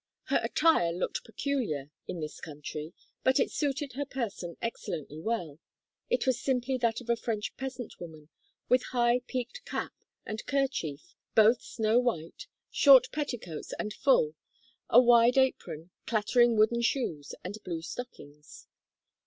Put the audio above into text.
Her attire looked peculiar, in this country, but it suited her person excellently well; it was simply that of a French peasant woman, with high peaked cap, and kerchief, both snow white, short petticoats, and full, a wide apron, clattering wooden shoes, and blue stockings.